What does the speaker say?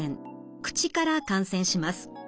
口から感染します。